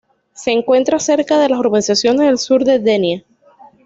Se encuentra cerca de las urbanizaciones del sur de Denia.